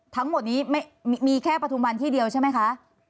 ทั้งหมดนี้มีแค่ปฐุมวันที่เดียวใช่ไหมคะ